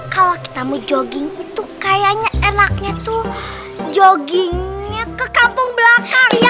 kalau kita mau jogging itu kayaknya enaknya tuh joggingnya ke kampung belakang ya